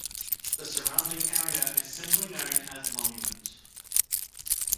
The surrounding area is simply known as Monument.